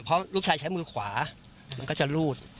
เพราะลูกชายใช้มือขวามันก็จะรูด